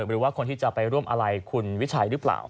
หรือว่าคนที่จะไปร่วมอะไรคุณวิชัยหรือเปล่า